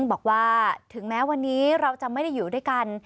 บอกว่าถึงแม้วันนี้เราจะไม่ได้อยู่ด้วยกัน